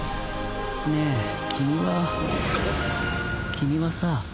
君はさ。